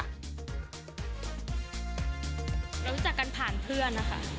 รู้จักกันผ่านเพื่อนนะคะ